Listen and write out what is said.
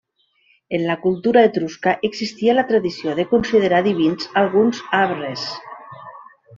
En la cultura etrusca existia la tradició de considerar divins alguns arbres.